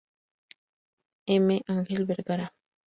M. Angel Vergara.